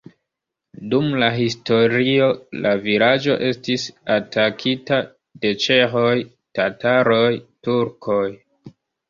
Dum la historio la vilaĝo estis atakita de ĉeĥoj, tataroj, turkoj.